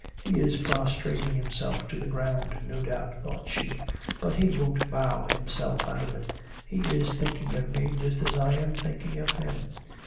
'He is prostrating himself to the ground, no doubt,' thought she. 'But he won't bow himself out of it. He is thinking of me just as I am thinking of him.